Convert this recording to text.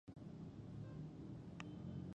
دا داغلی مسافر به زره چاود شي